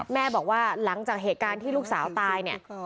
แม่บอกว่าหลังจากเหตุการณ์ที่ลูกสาวตายเนี่ย